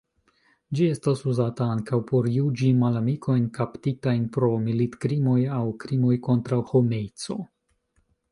Ĝi estas uzata ankaŭ por juĝi malamikojn kaptitajn pro militkrimoj aŭ krimoj kontraŭ homeco.